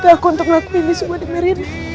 kau butuh aku untuk lakuin ini semua demi rena